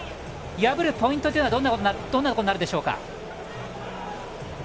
破るポイントはどんなところになるでしょうか？